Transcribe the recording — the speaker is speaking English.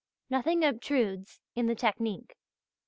Nothing obtrudes in the technique.